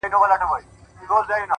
چي سترگي پټې کړې سالو په ځان تاو کړې